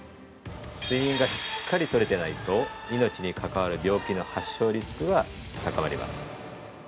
睡眠がしっかり取れてないと命にかかわる病気の発症リスクは高まります。